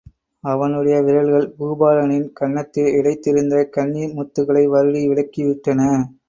அவனுடைய விரல்கள் பூபாலனின் கன்னத்தில் இழைந்திருந்த கண்ணிர் முத்துகளை வருடி விலக்கி விட்டன.